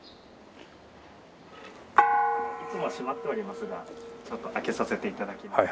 いつもは閉まっておりますがちょっと開けさせて頂きます。